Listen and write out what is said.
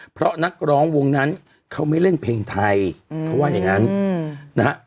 เพราะนักร้องวงนั้นเขาไม่เล่นเพลงไทยเขาว่าอย่างนั้นนะฮะ